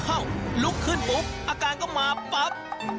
อ้าวลุกขึ้นปุ๊บอาการเข้ามาปั๊บ